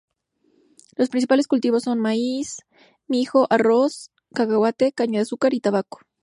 Los principales cultivos son: mijo, maíz, arroz, cacahuate, caña de azúcar y tabaco.